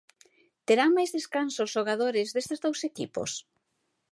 Terán máis descanso os xogadores destes dous equipos?